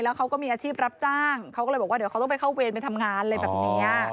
เขาก็มีอาชีพรับจ้างเขาก็เลยบอกว่าเดี๋ยวเขาต้องไปเข้าเวรไปทำงานอะไรแบบนี้